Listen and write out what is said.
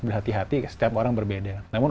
berhati hati setiap orang berbeda namun